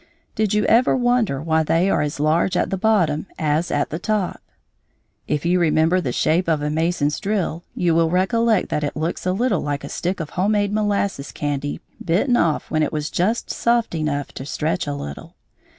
Did you ever wonder why they are as large at the bottom as at the top? If you remember the shape of a mason's drill, you will recollect that it looks a little like a stick of home made molasses candy bitten off when it was just soft enough to stretch a little.